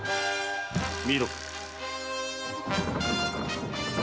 見ろ。